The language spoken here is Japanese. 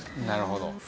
なるほど。